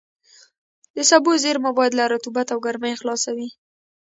د سبو زېرمه باید له رطوبت او ګرمۍ خلاصه وي.